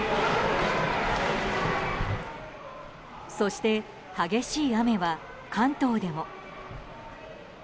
そして、激しい雨は関東でも。